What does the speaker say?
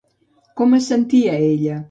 Com es sentia ella?